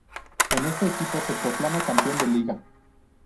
En este equipo se proclama campeón de Liga.